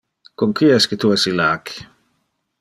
Con qui esque tu es illac?